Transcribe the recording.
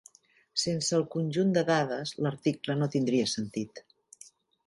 Sense el conjunt de dades, l'article no tindria sentit.